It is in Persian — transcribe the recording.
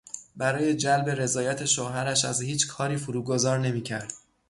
برای جلب رضایت شوهرش از هیچ کاری فروگذار نمیکرد.